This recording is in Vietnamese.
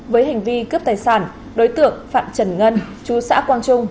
với hành vi cướp tài sản đối tượng phạm trần ngân chú xã quang trung